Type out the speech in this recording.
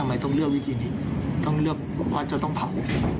ทำไมต้องเลือกวิธีนี้ต้องเลือกว่าจะต้องเผา